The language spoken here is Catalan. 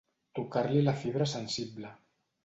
Tocar-li la fibra sensible.